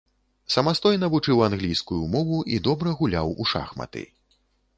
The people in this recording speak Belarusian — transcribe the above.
Самастойна вучыў англійскую мову і добра гуляў у шахматы.